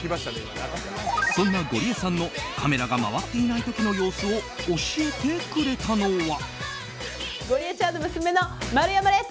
そんなゴリエさんのカメラが回っていない時の様子を教えてくれたのは。